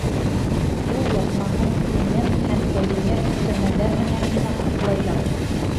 Юл япмаһын цемент һәм полимер өҫтәмәләр менән генә ҡаплайҙар.